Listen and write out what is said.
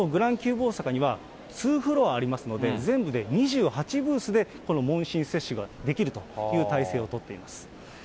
大阪には、２フロアありますので、全部で２８ブースで、この問診接種ができるという態勢を取っています。